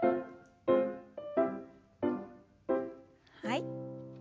はい。